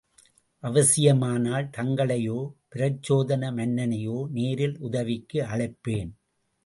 அவசியமானால் தங்களையோ பிரச்சோதன மன்னரையோ நேரில் உதவிக்கு அழைப்பேன்.